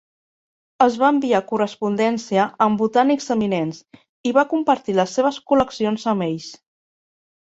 Es va enviar correspondència amb botànics eminents i va compartir les seves col·leccions amb ells.